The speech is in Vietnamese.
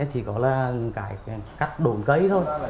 chỉ có là cắt đồn cấy thôi